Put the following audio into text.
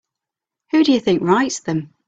Who do you think writes them?